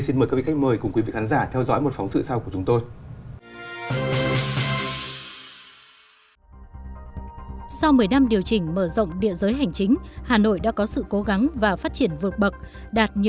xin chào các khách mời đã tham gia chương trình bàn tròn của chủ nhật nhân dân